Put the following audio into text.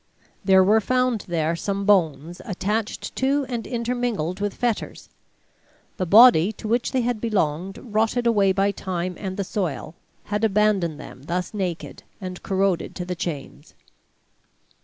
There were found there some bones attached to and intermingled with fetters; the body to which they had belonged, rotted away by time and the soil, had abandoned them thus naked and corroded to the chains.